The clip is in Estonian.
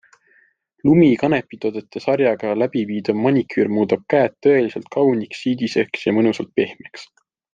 LUMI kanepitoodete sarjaga läbiviidav maniküür muudab käed tõeliselt kauniks, siidiseks ja mõnusalt pehmeks.